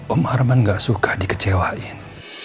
om arman gak suka dikecewain